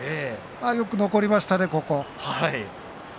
よく残りましたね。